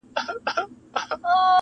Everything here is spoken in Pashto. • خو د کلي دننه درد لا هم ژوندی دی..